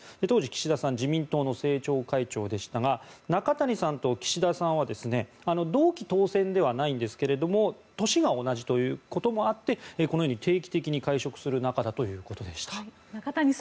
当時、岸田さん自民党の政調会長でしたが中谷さんと岸田さんは同期当選ではないんですが年が同じということもあってこのように定期的に会食する仲だということでした。